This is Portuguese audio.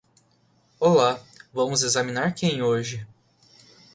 Olá, vamos examinar quem hoje?